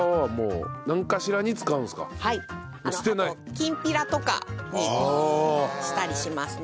きんぴらとかにしたりしますね。